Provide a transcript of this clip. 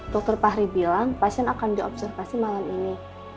dokter fahri bilang pasien akan diobservasi malam ini